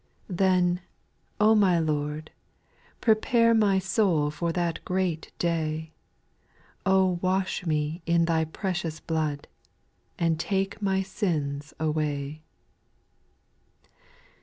SPIRITUAL SONOS. 133 Then, O my Lord, prepare My soul for that great day ; O wash me in Thy precious blood, And take my sins away.